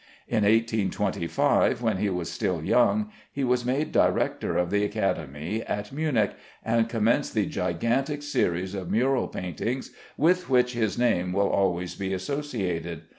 In 1825, when he was still young, he was made Director of the Academy at Munich, and commenced the gigantic series of mural paintings with which his name will always be associated.